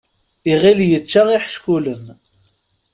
Iɣil yečča iḥeckulen.